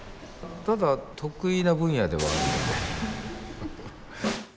ただ得意な分野ではあるので。